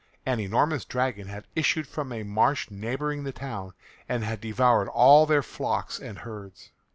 An enormous dragon had issued from a marsh neighbouring the town and had devoured all their flocks and herds.